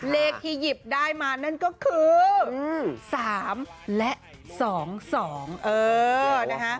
เลขที่หยิบได้มานั่นก็คือ๓และ๒๒เออนะคะ